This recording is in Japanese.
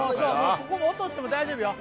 ここも落としても大丈夫よ